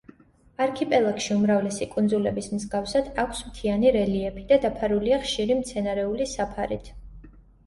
არქიპელაგში უმრავლესი კუნძულების მსგავსად აქვს მთიანი რელიეფი და დაფარულია ხშირი მცენარეული საფარით.